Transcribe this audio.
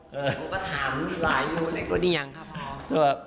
คุณก็ถามหลายลวถเล็กรถอย่างครับพ่อ